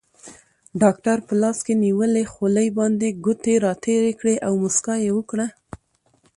ډاکټر په لاس کې نیولې خولۍ باندې ګوتې راتېرې کړې او موسکا یې وکړه.